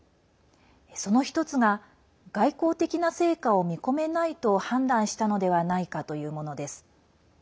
その１つが外交的な成果を見込めないと判断したのではないかというものです。